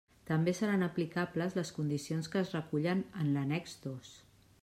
També seran aplicables les condicions que es recullen en l'annex dos.